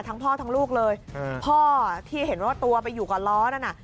ทั้งพ่อทั้งลูกเลยพ่อที่เห็นว่าตัวไปอยู่กับล้อนั่นน่ะ